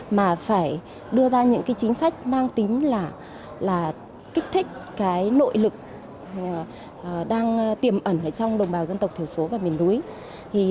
mà phải đưa ra những chính sách mang tính là kích thích nội lực đang tiềm ẩn trong đồng bào dân tộc thiểu số và miền núi